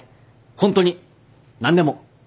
ホントに何でも。